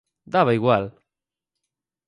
¡Daba igual!